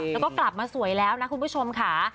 แล้วก็กลับมาสวยแล้วนะคุณผู้ชมค่ะ